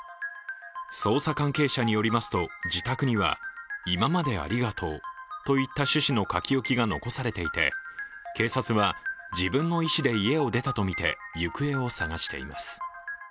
捜査関係者によりますと、自宅には今までありがとうといった趣旨の書き置きが残されていて、警察は自分の意思で家を出たとみて行方を捜しています。